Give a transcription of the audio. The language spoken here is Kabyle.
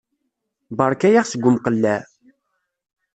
Berka-yaɣ seg umqelleɛ.